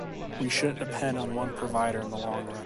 We shouldn’t depend on one provider in the long run.